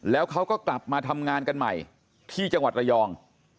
แล้วเขาก็กลับมาทำงานกันใหม่ที่จังหวัดระยอง